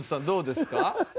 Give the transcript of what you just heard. どうですか？